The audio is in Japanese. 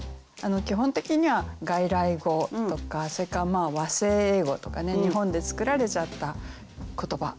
基本的には外来語とかそれから和製英語とかね日本で作られちゃった言葉っていうのもありますけれども。